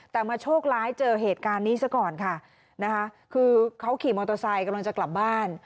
แต่มาโชคร้ายเจอเหตุการณ์นี้ซะก่อนค่ะนะคะคือเขาขี่มอเตอร์ไซค์กำลังจะกลับบ้าน